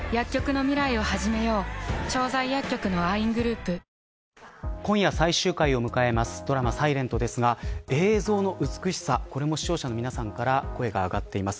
まさにその最終話というのが今夜、放送になるわけですが今夜、最終回を迎えるドラマｓｉｌｅｎｔですが映像の美しさこれも、視聴者の皆さんから声が上がっています。